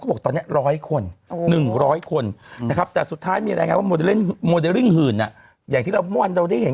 ตอบตอนนี้ร้อยคนหลีห้อยคนนะครับแต่สุดท้ายมีแล้วนั่วเรื่องจะได้เห็น